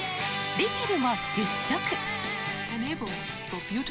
レフィルも１０色。